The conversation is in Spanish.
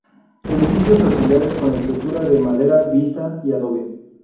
Edificios auxiliares con estructura de madera vista y adobe.